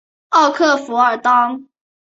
奥克弗尔当。